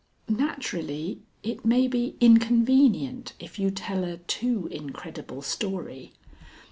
Naturally it may be inconvenient if you tell a too incredible story.